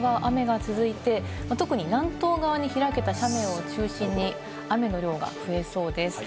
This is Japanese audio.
西日本、東日本の太平洋側は雨が続いて特に南東側に開けた斜面を中心に雨の量が増えそうです。